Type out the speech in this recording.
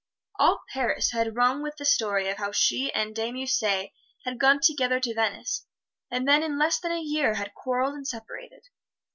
All Paris had rung with the story of how she and De Musset had gone together to Venice, and then in less than a year had quarreled and separated.